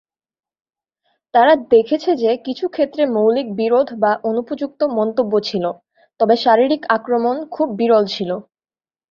তারা দেখেছে যে কিছু ক্ষেত্রে মৌখিক বিরোধ বা অনুপযুক্ত মন্তব্য ছিল, তবে শারীরিক আক্রমণ খুব বিরল ছিল।